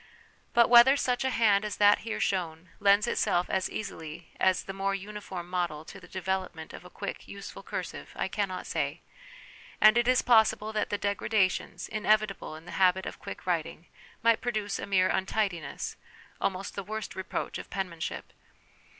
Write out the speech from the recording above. But whether such a hand as that here shown lends itself as easily as the more uniform model to the development of a quick, useful cursive, I cannot say; and it is possible that the degradations, inevitable in the habit of quick writing, might produce a mere untidiness, almost the worst reproach of penmanship.